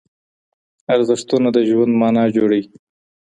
ارزښتونه د ژوند مانا جوړوي.